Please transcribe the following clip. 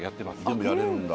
全部やれるんだ。